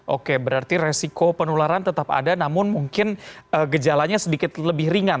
oke berarti resiko penularan tetap ada namun mungkin gejalanya sedikit lebih ringan